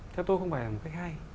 theo tôi không phải là một cách hay